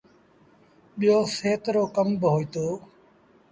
ٻيٚو سهت رو ڪم با هوئيٚتو۔